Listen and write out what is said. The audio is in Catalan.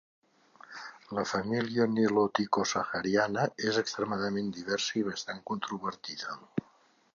La família niloticosahariana és extremadament diversa i bastant controvertida.